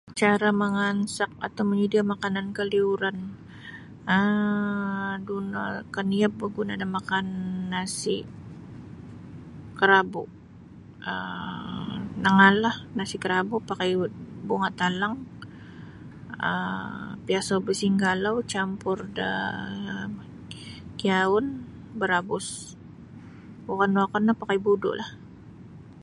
Cara mangansak ata manyadia da makanan kaliuran um du no kaniab oku baguna da makan nasi kerabu um nangaal la nasi kerabu pakai bunga talang um piasau basinggalau campur da kiaun barabus ulun wokon no pakai budu lah.